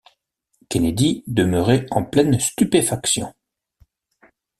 Kennedy demeurait en pleine stupéfaction.